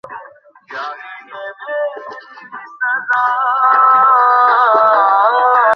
তাহলেই তৈরি হয়ে যাবে গ্রেভি শিক কাবাব।